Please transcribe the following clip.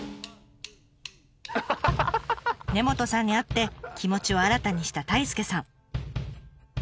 根本さんに会って気持ちを新たにした太亮さん。